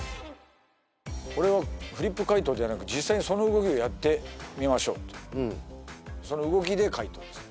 これはフリップ解答ではなく実際にその動きをやってみましょうとその動きで解答です